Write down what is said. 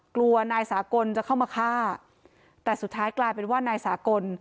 กลัวนายสากลจะเข้ามาฆ่าแต่สุดท้ายกลายเป็นว่านายสากล